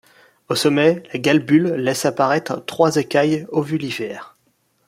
Au sommet, la galbule laisse apparaître trois écailles ovulifères.